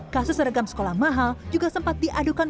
kasus seragam sekolah mahal juga sempat diadukan